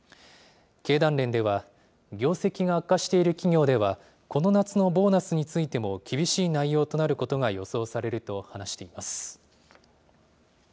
経団連では、業績が悪化している企業では、この夏のボーナスについても厳しい内容となることが予想されると話しています。